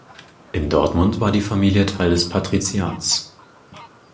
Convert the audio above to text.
In Dortmund war die Familie Teil des Patriziats.